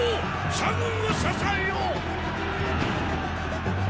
左軍を支えよ！